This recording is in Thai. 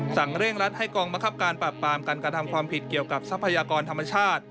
เร่งรัดให้กองบังคับการปราบปรามการกระทำความผิดเกี่ยวกับทรัพยากรธรรมชาติ